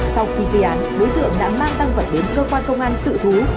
sau khi gây án đối tượng đã mang tăng vật đến cơ quan công an tự thú